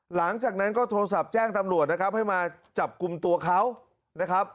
หลังจากนั้นก็โทรศัพท์แจ้งตำรวจนะครับให้มาจับกลุ่มตัวเขานะครับ